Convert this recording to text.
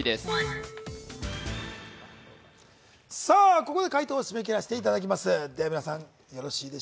ここで解答を締め切らせていただきます